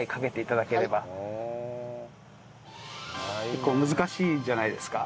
結構難しいじゃないですか。